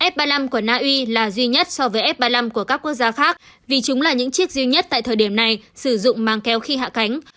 f ba mươi năm của na uy là duy nhất so với f ba mươi năm của các quốc gia khác vì chúng là những chiếc duy nhất tại thời điểm này sử dụng mang kéo khi hạ cánh